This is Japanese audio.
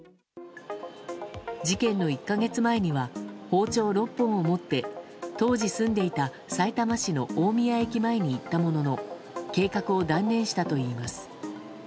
事件の１か月前には包丁６本を持って当時住んでいた、さいたま市の大宮駅前に行ったものの計画を断念したといいます。